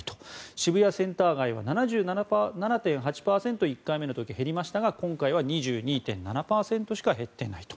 渋谷センター街は７７．８％１回目の時、減りましたが今回は２２．７％しか減っていないと。